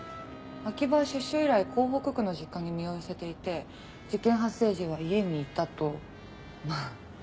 秋葉は出所以来港北区の実家に身を寄せていて事件発生時は家にいたとまあ両親は証言してますけど。